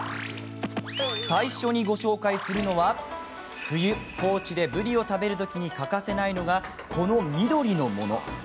最初にご紹介するのは冬、高知でぶりを食べるときに欠かせないのがこの緑のもの。